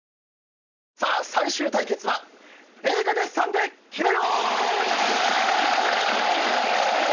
さあ最終対決は名画デッサンでキメろー！